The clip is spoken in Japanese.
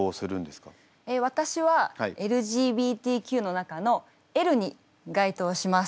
私はＬＧＢＴＱの中のＬに該当します。